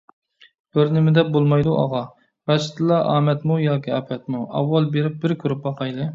بىرنېمىدەپ بولمايدۇ، ئاغا، راستتىنلا ئامەتمۇ ياكى ئاپەتمۇ، ئاۋۋال بېرىپ بىر كۆرۈپ باقايلى.